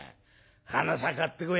花さ買ってこい」。